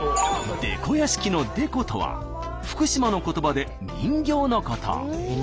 デコ屋敷の「デコ」とは福島の言葉で人形のこと。